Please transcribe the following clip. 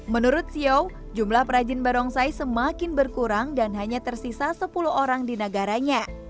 menurut xiao jumlah perajin barongsai semakin berkurang dan hanya tersisa sepuluh orang di negaranya